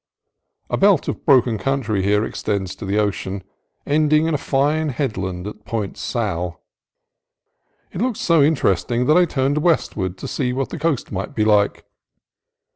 A belt of broken country here extends to the ocean, ending in a fine headland at Point Sal. It looked so interesting that I turned westward to see what the coast might be like.